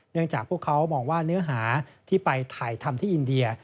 จากพวกเขามองว่าเนื้อหาที่ไปถ่ายทำที่อินเดีย